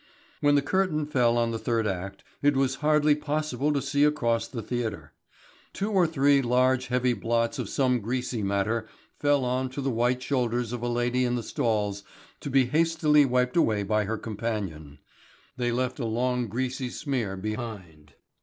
When the curtain fell on the third act it was hardly possible to see across the theatre. Two or three large heavy blots of some greasy matter fell on to the white shoulders of a lady in the stalls to be hastily wiped away by her companion. They left a long greasy smear behind.